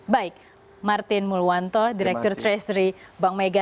baik martin mulwanto direktur treasury bank mega